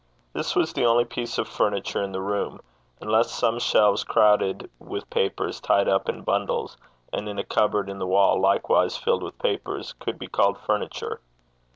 This was the only piece of furniture in the room, unless some shelves crowded with papers tied up in bundles, and a cupboard in the wall, likewise filled with papers, could be called furniture.